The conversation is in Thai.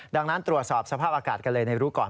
ดังนั้นตรวจสอบสภาพอากาศกันเลยในรู้ก่อน